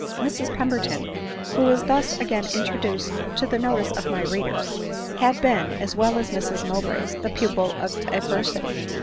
Mrs Pemberton, who is thus again introduced to the notice of my readers, had been, as well as Mrs Mowbray, the pupil of adversity.